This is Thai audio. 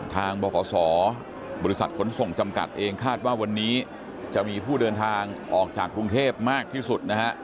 บขบริษัทขนส่งจำกัดเองคาดว่าวันนี้จะมีผู้เดินทางออกจากกรุงเทพมากที่สุดนะฮะ